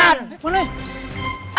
jangan kurang ajak gue